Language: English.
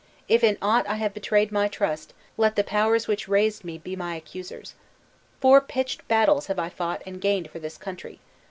If in aught I have betrayed my trust, led the powers which raised me be my accusers. Four pitched battles have I fought and gained for this country.